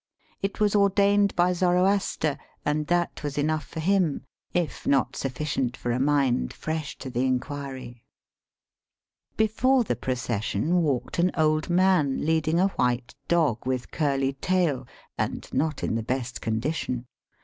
It was ordained by Zoroaster, and that was enough for him, if not sufficient for a mind fresh to the inquiry. Before the procession walked an old man leading a white dog with curly tail and not in the best condition.